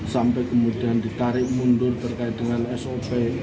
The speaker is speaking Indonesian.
sampai kemudian ditarik mundur terkait dengan sop